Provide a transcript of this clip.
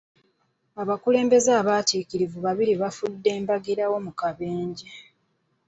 Abakulembeze abaatiikirivu babiri baafudde mbagirawo mu kabenje.